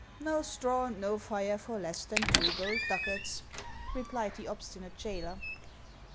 " Xo straw and no fire for less than two gold ducats," replied the obstinate jailer.